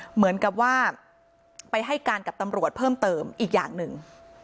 เหมือนกับว่าไปให้การกับตำรวจเพิ่มเติมอีกอย่างหนึ่ง